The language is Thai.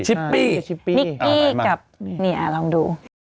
ชิปปี้อ่ะมากนี่อ่ะลองดู